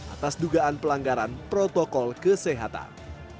atas dugaan pelanggaran protokol kesehatan